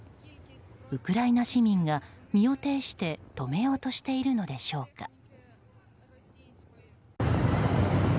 ウクライナ市民が身を挺して止めようとしているのでしょうか。